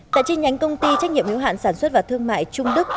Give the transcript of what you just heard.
tại chi nhánh công ty trách nhiệm hiếu hạn sản xuất và thương mại trung đức